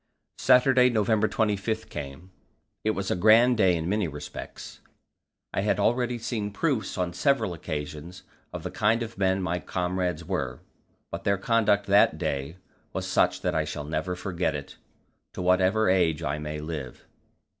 Saturday, November 25, came; it was a grand day in many respects. I had already seen proofs on several occasions of the kind of men my comrades were, but their conduct that day was such that I shall never forget it, to whatever age I may live.